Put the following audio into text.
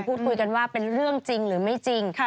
พูดคุยกันว่าเป็นเรื่องจริงหรือไม่จริง